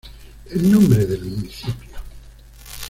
El nombre del municipio.